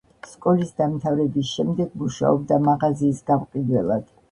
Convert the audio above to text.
სკოლის დამთავრების შემდეგ მუშაობდა მაღაზიის გამყიდველად.